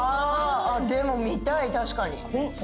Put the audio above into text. でも見たい確かに。